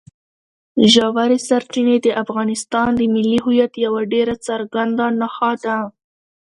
ژورې سرچینې د افغانستان د ملي هویت یوه ډېره څرګنده نښه ده.